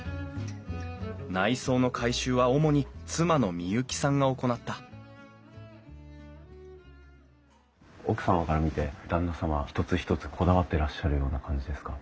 内装の改修は主に妻の美雪さんが行った奥様から見て旦那様は一つ一つこだわってらっしゃるような感じですか？